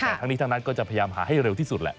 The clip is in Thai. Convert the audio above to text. แต่ทั้งนี้ทั้งนั้นก็จะพยายามหาให้เร็วที่สุดแหละ